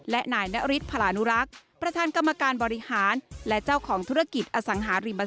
และนายนริษฐ์พลานุรักษ์ประธานกรรมการบริหาร